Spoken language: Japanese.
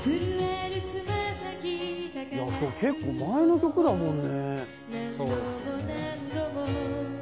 結構前の曲だもんね。